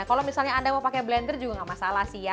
kalau misalnya anda mau pakai blender juga nggak masalah sih ya